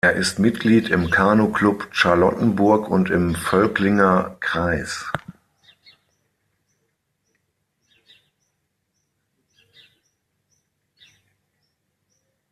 Er ist Mitglied im Kanuclub Charlottenburg und im Völklinger Kreis.